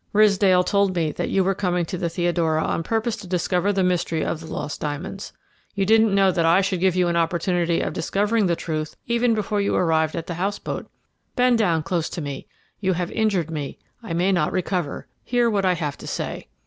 "Ridsdale told me that you were coming to the Theodora on purpose to discover the mystery of the lost diamonds. You didn't know that I should give you an opportunity of discovering the truth even before you arrived at the house boat. Bend down close to me you have injured me; I may not recover; hear what I have to say."